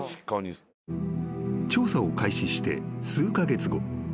［調査を開始して数カ月後］